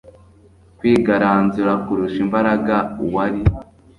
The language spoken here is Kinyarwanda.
kwigaranzura kurusha imbaraga uwari